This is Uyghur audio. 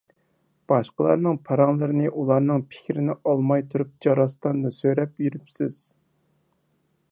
باشقىلارنىڭ پاراڭلىرىنى ئۇلارنىڭ پىكىرىنى ئالماي تۇرۇپ جاراستاندا سۆرەپ يۈرۈپسىز.